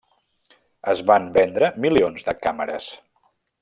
Es van vendre milions de càmeres.